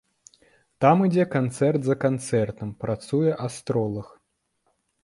Там ідзе канцэрт за канцэртам, працуе астролаг.